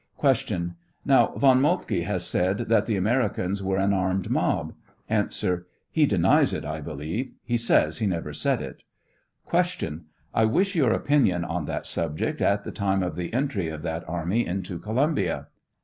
Q. Now, Von Moltke has said that the Americans were an armed mob ? A. He denies it, I believe; he says he never said it, Q. I wish your opinion on that subject at the time of the entry of that army into Columbia